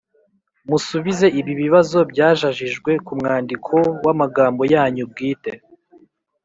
musubize ibi bibazo byajajiwe ku mwandiko mu magambo yanyu bwite